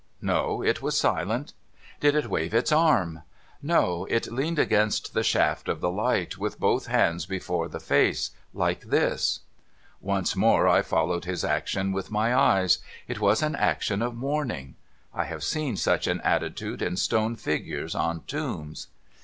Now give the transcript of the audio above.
' No. It was silent.' ' Did it wave its arm ?'* No. It leaned against the shaft of the light, with both hands before the face. Like this.' Once rnore I followed his action with my eyes. It was an action of mourning. I have seen such an attitude in stone figures on tombs.